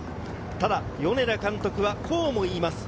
ただ米田監督はこうも言います。